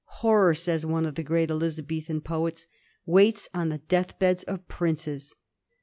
"Horror," says one of the great Elizabethan poets, " waits on the death beds of princes."